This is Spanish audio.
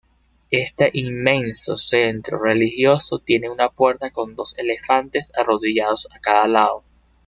Este inmenso centro religioso tiene una puerta con dos elefantes arrodillados a cada lado.